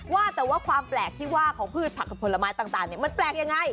ว่าแต่ว่าความแปลกที่ว่าของพืชผักผลไม้ต่างมันแปลกยังไง